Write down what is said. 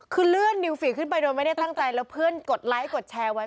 คือเลื่อนนิวฟีกขึ้นไปโดยไม่ได้ตั้งใจแล้วเพื่อนกดไลค์กดแชร์ไว้